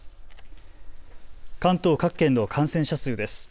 関東各県の感染者数です。